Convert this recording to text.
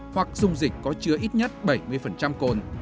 hoặc dung dịch có chứa ít nhất bảy mươi cồn